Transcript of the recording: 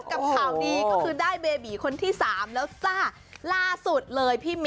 กลับข้างนี้ได้เบบีคนที่สาม